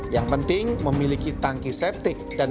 yang penting memiliki tangki septik dan